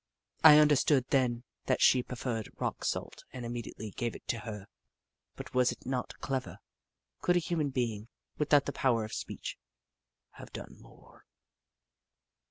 I under stood then that she preferred rock salt and immediately gave it to her, but was it not clever ? Could a human being, without the power of speech, have done more